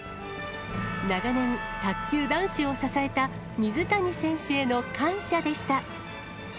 長年、卓球男子を支えた、水谷選手への感謝でした。